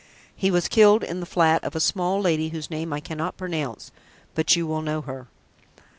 He was killed in the flat of a small lady, whose name I cannot pronounce, but you will know her."